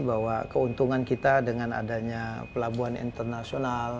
bahwa keuntungan kita dengan adanya pelabuhan internasional